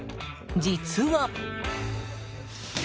実は。